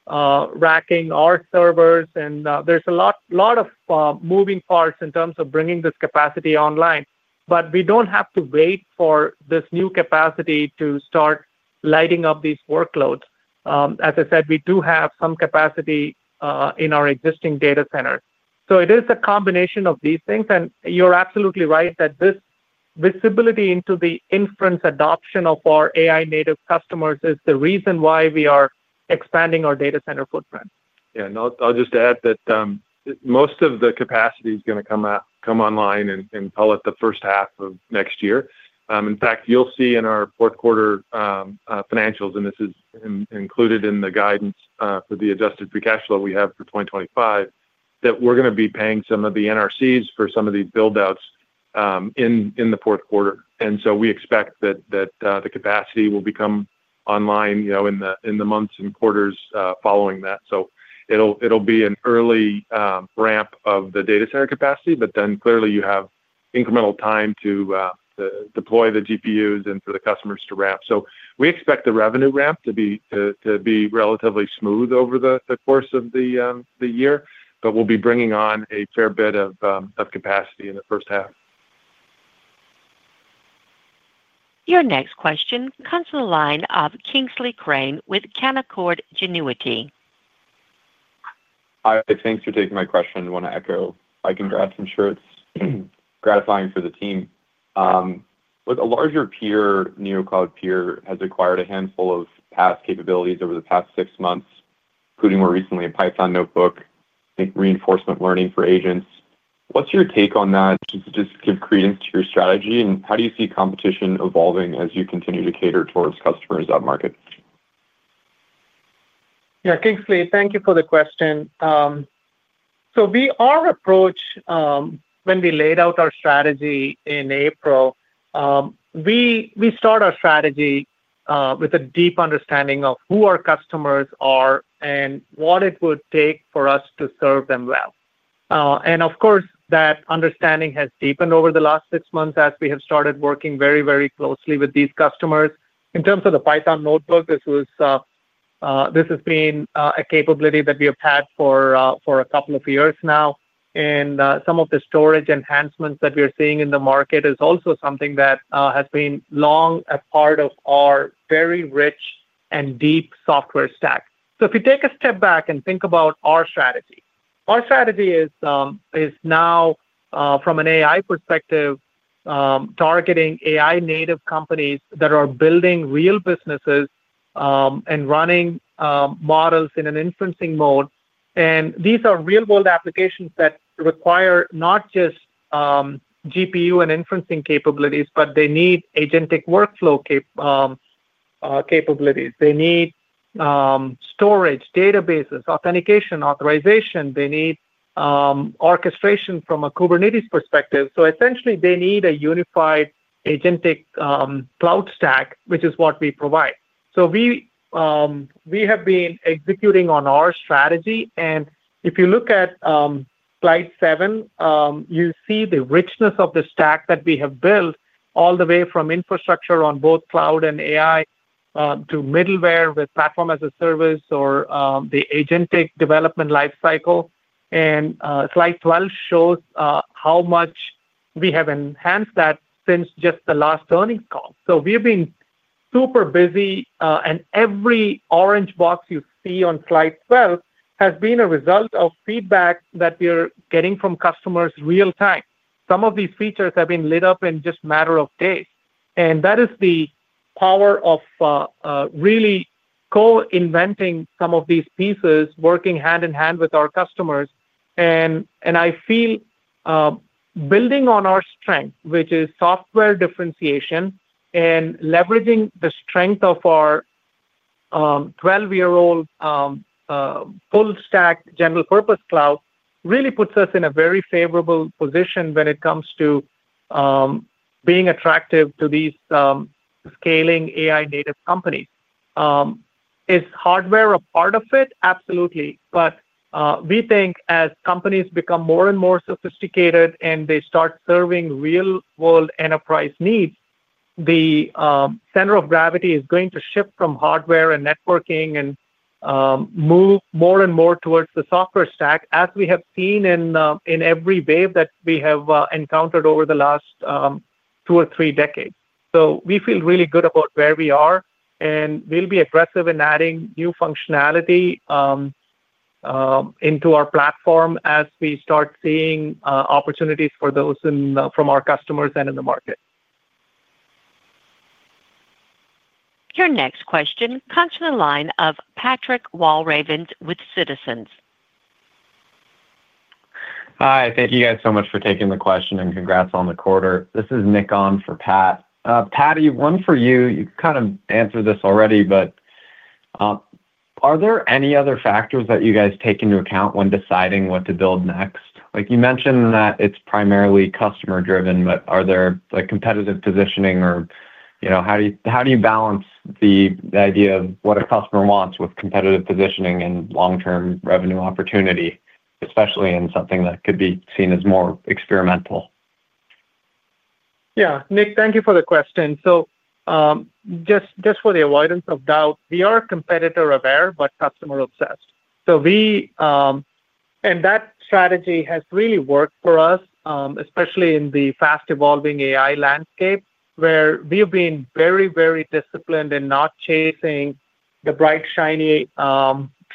racking our servers. There's a lot of moving parts in terms of bringing this capacity online. We do not have to wait for this new capacity to start lighting up these workloads. As I said, we do have some capacity in our existing data centers. It is a combination of these things. You are absolutely right that this visibility into the inference adoption of our AI-native customers is the reason why we are expanding our data center footprint. Yeah. I'll just add that most of the capacity is going to come online in, call it, the first half of next year. In fact, you'll see in our fourth-quarter financials, and this is included in the guidance for the adjusted free cash flow we have for 2025, that we're going to be paying some of the NRCs for some of these buildouts in the fourth quarter. We expect that the capacity will come online in the months and quarters following that. It'll be an early ramp of the data center capacity, but then clearly you have incremental time to deploy the GPUs and for the customers to ramp. We expect the revenue ramp to be relatively smooth over the course of the year, but we'll be bringing on a fair bit of capacity in the first half. Your next question comes from the line of Kingsley Crane with Canaccord Genuity. Hi. Thanks for taking my question. I want to echo my congrats. I'm sure it's gratifying for the team. With a larger peer, Neocloud peer has acquired a handful of past capabilities over the past six months, including more recently a Python Notebook, reinforcement learning for agents. What's your take on that? Does it give credence to your strategy? How do you see competition evolving as you continue to cater towards customers in that market? Yeah, Kingsley, thank you for the question. Our approach, when we laid out our strategy in April, we start our strategy with a deep understanding of who our customers are and what it would take for us to serve them well. Of course, that understanding has deepened over the last six months as we have started working very, very closely with these customers. In terms of the Python Notebook, this has been a capability that we have had for a couple of years now. Some of the storage enhancements that we are seeing in the market is also something that has been long a part of our very rich and deep software stack. If you take a step back and think about our strategy, our strategy is, now from an AI perspective, targeting AI-native companies that are building real businesses and running. Models in an inferencing mode. These are real-world applications that require not just GPU and inferencing capabilities, but they need agentic workflow capabilities. They need storage, databases, authentication, authorization. They need orchestration from a Kubernetes perspective. Essentially, they need a unified Agentic Cloud stack, which is what we provide. We have been executing on our strategy. If you look at slide seven, you see the richness of the stack that we have built, all the way from infrastructure on both cloud and AI to middleware with platform as a service or the agentic development lifecycle. Slide 12 shows how much we have enhanced that since just the last earnings call. We have been super busy. Every orange box you see on slide 12 has been a result of feedback that we are getting from customers real-time. Some of these features have been lit up in just a matter of days. That is the power of really co-inventing some of these pieces, working hand in hand with our customers. I feel building on our strength, which is software differentiation and leveraging the strength of our 12-year-old full-stack general-purpose cloud, really puts us in a very favorable position when it comes to being attractive to these scaling AI-native companies. Is hardware a part of it? Absolutely. We think as companies become more and more sophisticated and they start serving real-world enterprise needs, the center of gravity is going to shift from hardware and networking and move more and more towards the software stack, as we have seen in every wave that we have encountered over the last two or three decades. We feel really good about where we are, and we'll be aggressive in adding new functionality into our platform as we start seeing opportunities for those from our customers and in the market. Your next question comes from the line of Patrick Walravens with Citizens. Hi. Thank you guys so much for taking the question, and congrats on the quarter. This is Nick on for Pat. Pat, one for you. You kind of answered this already, but are there any other factors that you guys take into account when deciding what to build next? You mentioned that it's primarily customer-driven, but are there competitive positioning, or how do you balance the idea of what a customer wants with competitive positioning and long-term revenue opportunity, especially in something that could be seen as more experimental? Yeah. Nick, thank you for the question. Just for the avoidance of doubt, we are competitor-aware but customer-obsessed. That strategy has really worked for us, especially in the fast-evolving AI landscape, where we have been very, very disciplined in not chasing the bright, shiny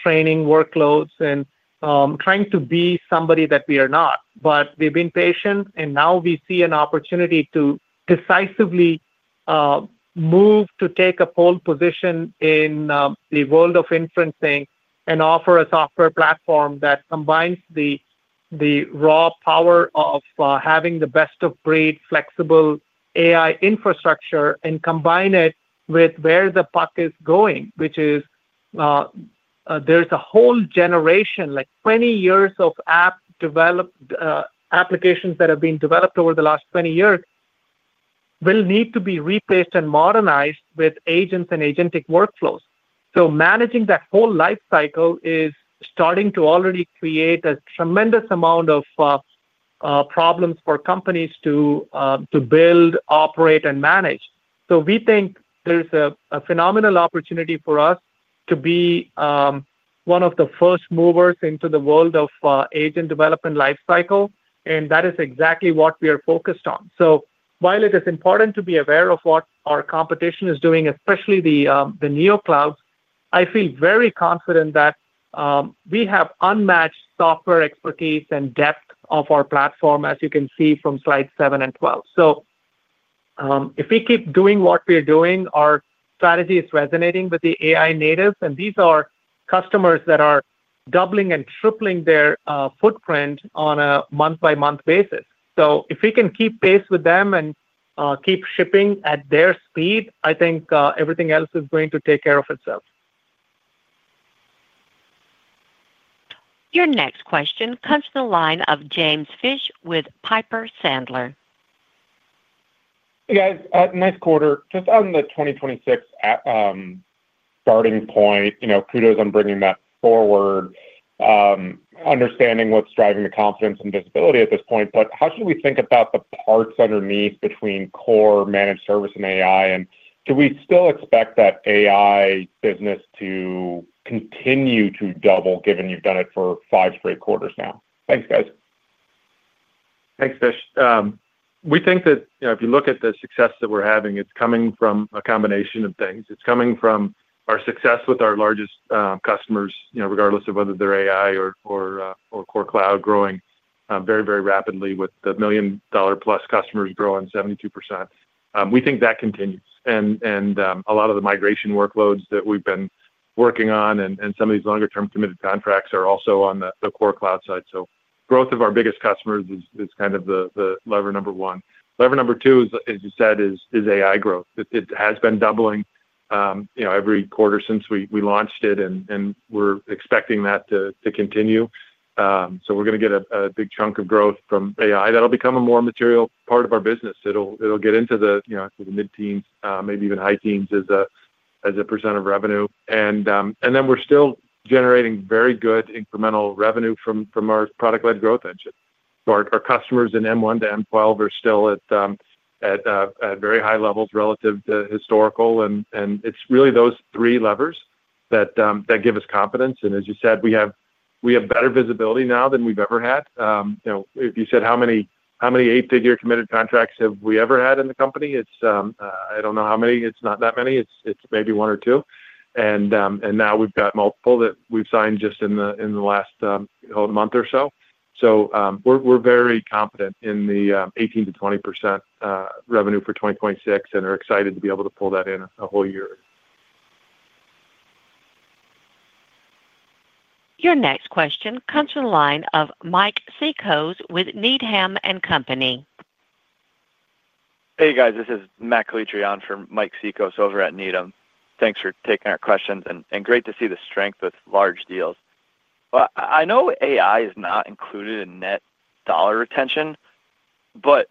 training workloads and trying to be somebody that we are not. We have been patient, and now we see an opportunity to decisively move to take a pole position in the world of inferencing and offer a software platform that combines the raw power of having the best-of-breed flexible AI infrastructure and combine it with where the puck is going, which is, there is a whole generation, like 20 years of applications that have been developed over the last 20 years, will need to be replaced and modernized with agents and agentic workflows. Managing that whole lifecycle is starting to already create a tremendous amount of problems for companies to build, operate, and manage. We think there's a phenomenal opportunity for us to be one of the first movers into the world of agent development lifecycle. That is exactly what we are focused on. While it is important to be aware of what our competition is doing, especially the Neoclouds, I feel very confident that we have unmatched software expertise and depth of our platform, as you can see from slides seven and 12. If we keep doing what we're doing, our strategy is resonating with the AI natives. These are customers that are doubling and tripling their footprint on a month-by-month basis. If we can keep pace with them and keep shipping at their speed, I think everything else is going to take care of itself. Your next question comes from the line of James Fish with Piper Sandler. Hey, guys. Nice quarter. Just on the 2026 starting point, kudos on bringing that forward. Understanding what's driving the confidence and visibility at this point. How should we think about the parts underneath between core managed service and AI? Do we still expect that AI business to continue to double, given you've done it for five straight quarters now? Thanks, guys. Thanks, Fish. We think that if you look at the success that we're having, it's coming from a combination of things. It's coming from our success with our largest customers, regardless of whether they're AI or core cloud, growing very, very rapidly with the million-dollar-plus customers growing 72%. We think that continues. A lot of the migration workloads that we've been working on and some of these longer-term committed contracts are also on the core cloud side. Growth of our biggest customers is kind of the lever number one. Lever number two, as you said, is AI growth. It has been doubling every quarter since we launched it, and we're expecting that to continue. We're going to get a big chunk of growth from AI that'll become a more material part of our business. It'll get into the mid-teens, maybe even high teens as a percent of revenue. Then we're still generating very good incremental revenue from our product-led growth engine. Our customers in M1 to M12 are still at very high levels relative to historical. It's really those three levers that give us confidence. As you said, we have better visibility now than we've ever had. If you said, "How many eight-figure committed contracts have we ever had in the company?" I don't know how many. It's not that many. It's maybe one or two. Now we've got multiple that we've signed just in the last whole month or so. We're very confident in the 18%-20% revenue for 2026 and are excited to be able to pull that in a whole year. Your next question comes from the line of Mike Cikos with Needham & Company. Hey, guys. This is Matt Coletreon on for Mike Cikos over at Needham. Thanks for taking our questions, and great to see the strength with large deals. I know AI is not included in net dollar retention, but.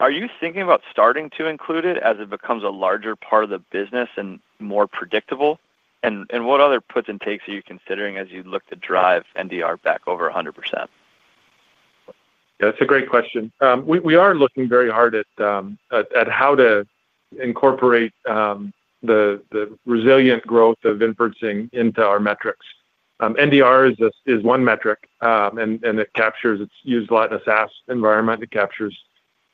Are you thinking about starting to include it as it becomes a larger part of the business and more predictable? And what other puts and takes are you considering as you look to drive NDR back over 100%? Yeah, that's a great question. We are looking very hard at how to incorporate the resilient growth of inferencing into our metrics. NDR is one metric, and it's used a lot in a SaaS environment. It captures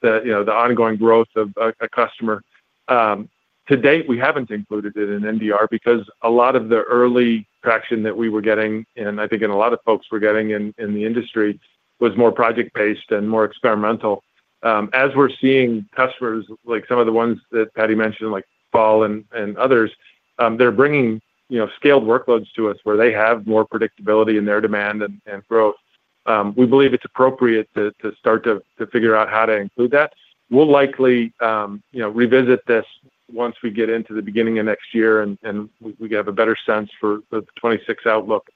the ongoing growth of a customer. To date, we haven't included it in NDR because a lot of the early traction that we were getting, and I think a lot of folks were getting in the industry, was more project-based and more experimental. As we're seeing customers, like some of the ones that Paddy mentioned, like FAL.ai and others, they're bringing scaled workloads to us where they have more predictability in their demand and growth. We believe it's appropriate to start to figure out how to include that. We'll likely revisit this once we get into the beginning of next year and we have a better sense for the 2026 outlook.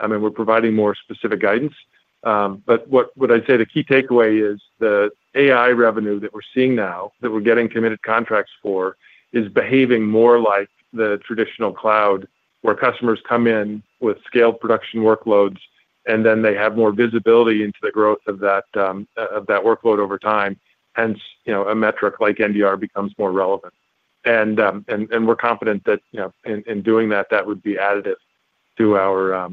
I mean, we're providing more specific guidance. What I'd say the key takeaway is the AI revenue that we're seeing now, that we're getting committed contracts for, is behaving more like the traditional cloud where customers come in with scaled production workloads, and then they have more visibility into the growth of that workload over time, hence a metric like NDR becomes more relevant. We're confident that in doing that, that would be additive to our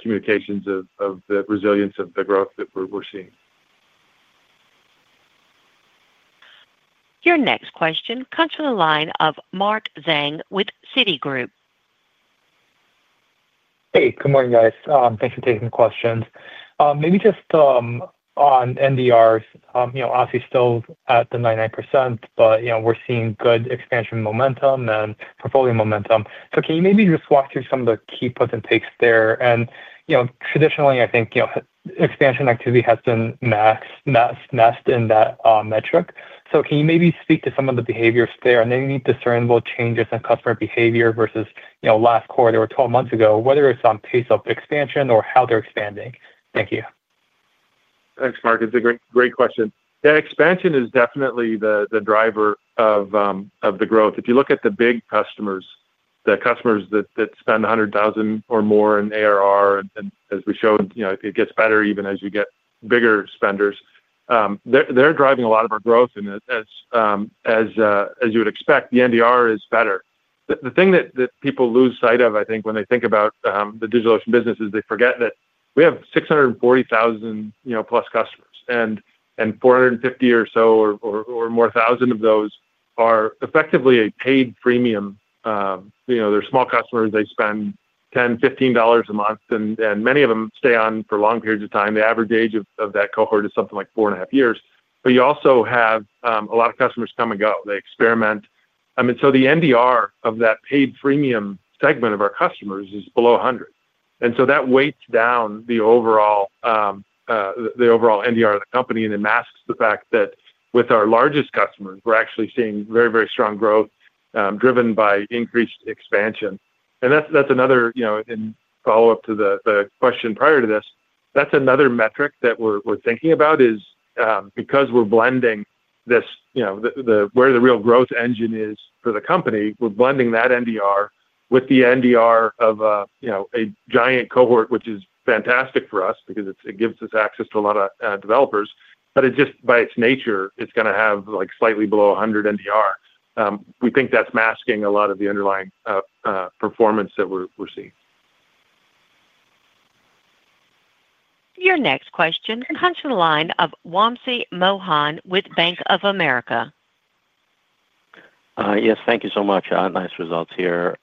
communications of the resilience of the growth that we're seeing. Your next question comes from the line of Mark Zhang with Citigroup. Hey, good morning, guys. Thanks for taking the questions. Maybe just on NDRs, obviously still at the 99%, but we're seeing good expansion momentum and portfolio momentum. Can you maybe just walk through some of the key puts and takes there? Traditionally, I think expansion activity has been nest in that metric. Can you maybe speak to some of the behaviors there? Do you see any certain changes in customer behavior versus last quarter or 12 months ago, whether it's on pace of expansion or how they're expanding? Thank you. Thanks, Mark. It's a great question. Yeah, expansion is definitely the driver of the growth. If you look at the big customers, the customers that spend $100,000 or more in ARR, and as we showed, it gets better even as you get bigger spenders. They're driving a lot of our growth. As you would expect, the NDR is better. The thing that people lose sight of, I think, when they think about the DigitalOcean business is they forget that we have 640,000+ customers, and 450,000 or so or more of those are effectively a paid premium. They're small customers. They spend $10, $15 a month, and many of them stay on for long periods of time. The average age of that cohort is something like four and a half years. You also have a lot of customers come and go. They experiment. I mean, the NDR of that paid premium segment of our customers is below 100. That weights down the overall NDR of the company, and it masks the fact that with our largest customers, we're actually seeing very, very strong growth driven by increased expansion. That's another follow-up to the question prior to this. That's another metric that we're thinking about because we're blending where the real growth engine is for the company. We're blending that NDR with the NDR of a giant cohort, which is fantastic for us because it gives us access to a lot of developers. Just by its nature, it's going to have slightly below 100 NDR. We think that's masking a lot of the underlying performance that we're seeing. Your next question comes from the line of Walmsi Mohan with Bank of America. Yes, thank you so much. Nice results here.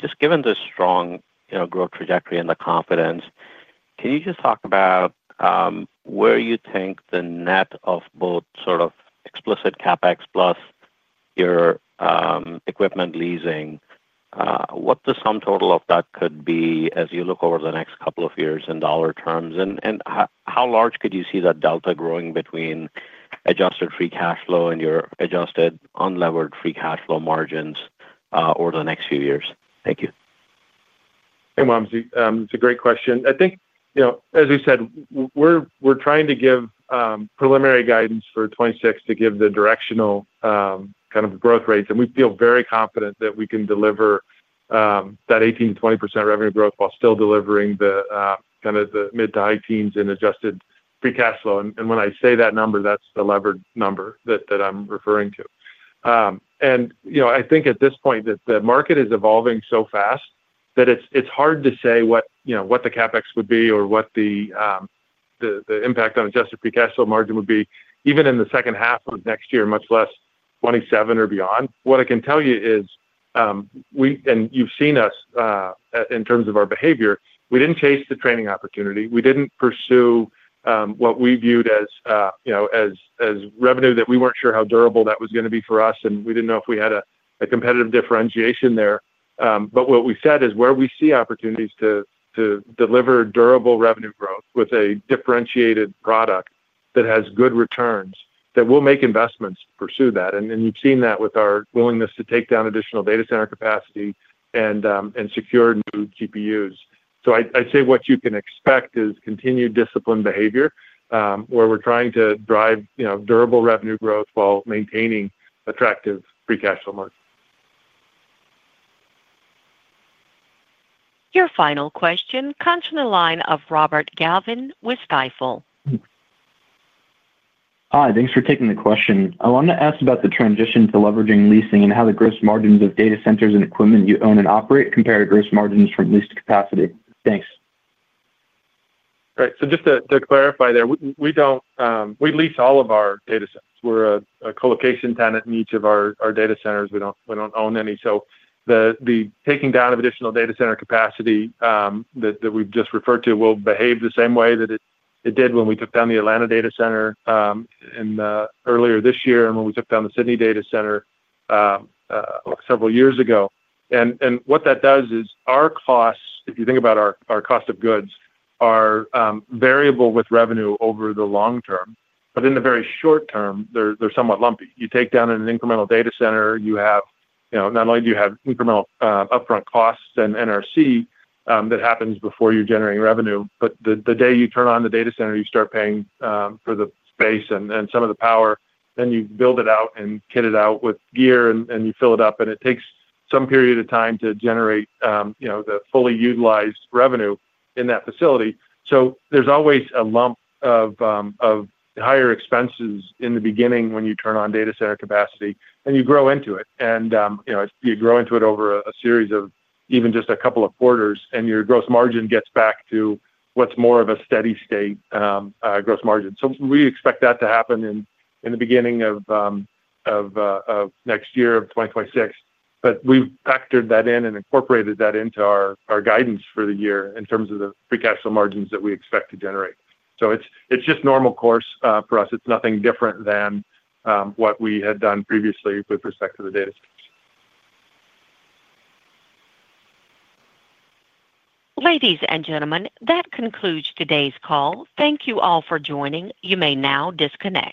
Just given the strong growth trajectory and the confidence, can you just talk about where you think the net of both sort of explicit CapEx plus your equipment leasing, what the sum total of that could be as you look over the next couple of years in dollar terms? How large could you see that delta growing between adjusted free cash flow and your adjusted unlevered free cash flow margins over the next few years? Thank you. Hey, Walmsie. It's a great question. I think, as we said, we're trying to give preliminary guidance for 2026 to give the directional kind of growth rates. We feel very confident that we can deliver that 18%-20% revenue growth while still delivering kind of the mid to high teens in adjusted free cash flow. When I say that number, that's the levered number that I'm referring to. I think at this point that the market is evolving so fast that it's hard to say what the CapEx would be or what the impact on adjusted free cash flow margin would be, even in the second half of next year, much less 2027 or beyond. What I can tell you is, and you've seen us, in terms of our behavior, we didn't chase the training opportunity. We didn't pursue what we viewed as. Revenue that we were not sure how durable that was going to be for us, and we did not know if we had a competitive differentiation there. What we said is where we see opportunities to deliver durable revenue growth with a differentiated product that has good returns, that we will make investments to pursue that. You have seen that with our willingness to take down additional data center capacity and secure new GPUs. I would say what you can expect is continued disciplined behavior where we are trying to drive durable revenue growth while maintaining attractive free cash flow margins. Your final question comes from the line of Robert Galvin with Stifel. Hi, thanks for taking the question. I want to ask about the transition to leveraging leasing and how the gross margins of data centers and equipment you own and operate compare to gross margins from leased capacity. Thanks. All right. So just to clarify there, we lease all of our data centers. We're a colocation tenant in each of our data centers. We don't own any. The taking down of additional data center capacity that we've just referred to will behave the same way that it did when we took down the Atlanta data center earlier this year and when we took down the Sydney data center several years ago. What that does is our costs, if you think about our cost of goods, are variable with revenue over the long term. In the very short term, they're somewhat lumpy. You take down an incremental data center, you have not only do you have incremental upfront costs and NRC that happens before you're generating revenue, but the day you turn on the data center, you start paying for the space and some of the power, and you build it out and kit it out with gear and you fill it up. It takes some period of time to generate the fully utilized revenue in that facility. There is always a lump of higher expenses in the beginning when you turn on data center capacity, and you grow into it. You grow into it over a series of even just a couple of quarters, and your gross margin gets back to what is more of a steady state gross margin. We expect that to happen in the beginning of next year, of 2026. We have factored that in and incorporated that into our guidance for the year in terms of the free cash flow margins that we expect to generate. It is just normal course for us. It is nothing different than what we had done previously with respect to the data centers. Ladies and gentlemen, that concludes today's call. Thank you all for joining. You may now disconnect.